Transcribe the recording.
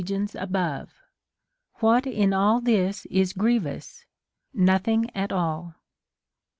gions above. What in all this is grievous ^ Nothing at all."